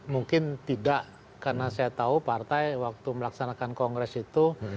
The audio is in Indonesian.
mungkin tidak karena saya tahu partai waktu melaksanakan kongres itu